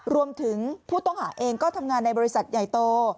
รวมถึงผู้ต้องหาเองก็ทำงานในบริษัทใหญ่โต